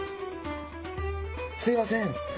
すいません